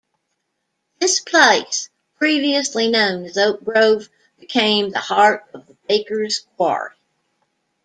This place, previously known as Oak Grove, became the heart of the Bakers' quarry.